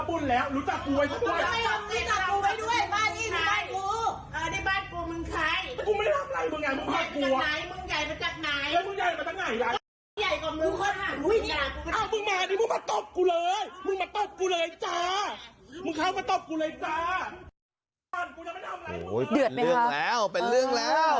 กูไม่รับอะไรมึงไงมึงภาคกลัว